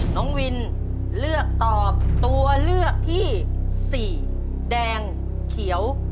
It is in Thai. น้องวินเลือกตอบตัวเลือกที่สี่แดงเขียว